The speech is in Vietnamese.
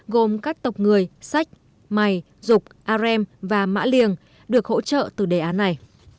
gồm các tộc người sách mày rục arem và mã liềng được hỗ trợ từ đề án này